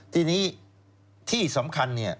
ที่นี้ที่สำคัญ